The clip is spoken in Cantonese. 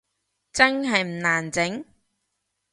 真係唔難整？